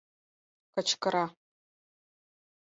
Кычкыра: